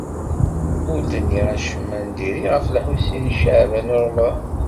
Ur d-nniɣ acemma n diri ɣef Lḥusin n Caɛban u Ṛemḍan.